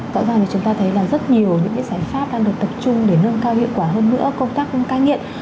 rõ ràng là chúng ta thấy là rất nhiều những cái giải pháp đang được tập trung để nâng cao hiệu quả hơn nữa công tác cai nghiện